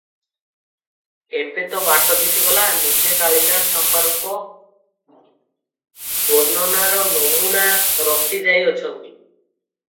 ଏବେ ତ ବାଟ ଦିଶିଗଲା, ନିଜେ କାଳିଦାସ ଚମ୍ପାରୂପ - ବର୍ଣ୍ଣନାର ନମୁନା ରଖିଯାଇଅଛନ୍ତି ।